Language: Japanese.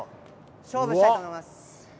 勝負したいと思います。